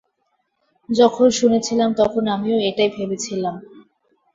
যখন শুনেছিলাম তখন আমিও এটাই ভেবেছিলাম।